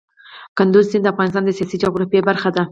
کندز سیند د افغانستان د سیاسي جغرافیه برخه ده.